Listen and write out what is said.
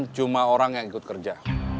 cuma orang yang ikut kerja